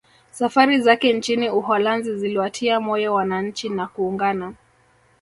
Safari zake nchini Uholanzi ziliwatia moyo wananchi na kuungana